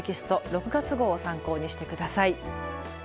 ６月号を参考にして下さい。